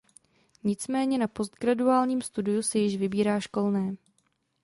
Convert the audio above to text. Nicméně na postgraduálním studiu se již vybírá školné.